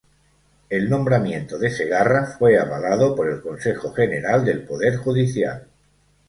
El nombramiento de Segarra fue avalado por el Consejo General del Poder Judicial.